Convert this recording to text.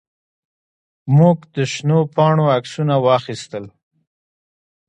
موږ د شنو پاڼو عکسونه واخیستل.